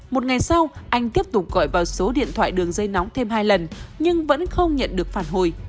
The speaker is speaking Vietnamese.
một ngày sau anh tiếp tục gọi vào số điện thoại đường dây nóng thêm hai lần nhưng vẫn không nhận được phản hồi